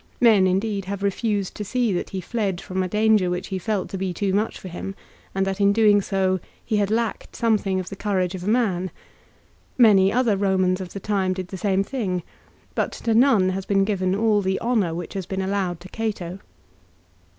Men indeed have refused to see that he fled from a danger which he felt to be too much for him, and that in doing so he had lacked something of the courage of a man. Many other Eomans of the time did the same thing, but to none has been given all the honour which has been allowed to Cato.